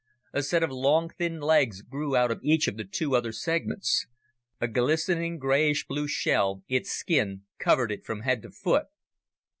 A set of long, thin legs grew out of each of the two other segments. A glistening grayish blue shell, its skin, covered it from head to foot.